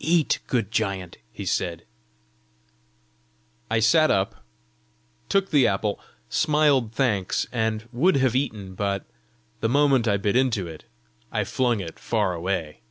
"Eat, good giant," he said. I sat up, took the apple, smiled thanks, and would have eaten; but the moment I bit into it, I flung it far away.